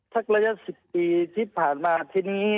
ระยะ๑๐ปีที่ผ่านมาทีนี้